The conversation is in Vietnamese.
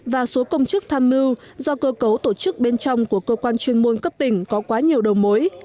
và số công chức tham mưu do cơ cấu tổ chức bên trong của cơ quan chuyên môn cấp tỉnh có quá nhiều đầu mối